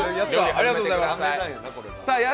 ありがとうございます。